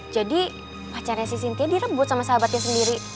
jadi pacarnya si sintia direbut sama sahabatnya sendiri